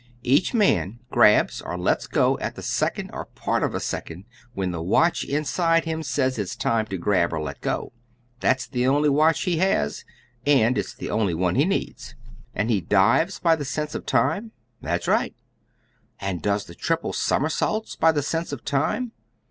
Each man grabs or lets go at the second or part of a second when the watch inside him says it's time to grab or let go. That's the only watch he has, and it's the only one he needs." "And he dives by the sense of time?" "That's right." "And does triple somersaults by the sense of time?"